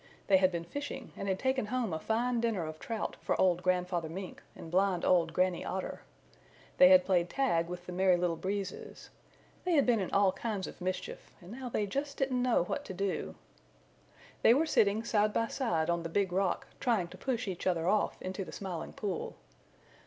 They had been fishing and had taken home a fine dinner of Trout for old Grandfather Mink and blind old Granny Otter. They had played tag with the Merry Little Breezes. They had been in all kinds of mischief and now they just didn't know what to do. They were sitting side by side on the Big Rock trying to push each other off into the Smiling Pool.